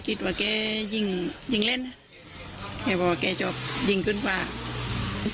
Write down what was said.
ก็คิดว่าแกยิงเล่นแกบอกว่าแกชอบยิงขึ้นฝาก